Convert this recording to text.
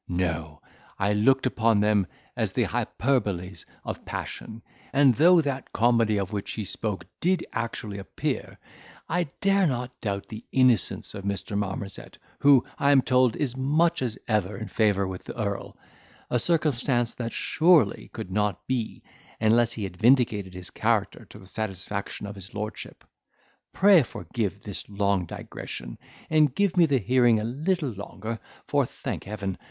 No, I looked upon them as the hyperboles of passion; and though that comedy of which he spoke did actually appear, I dare not doubt the innocence of Mr. Marmozet, who, I am told, is as much as ever in favour with the earl; a circumstance that, surely, could not be, unless he had vindicated his character to the satisfaction of his lordship. Pray forgive this long digression, and give me the hearing a little longer; for, thank heaven!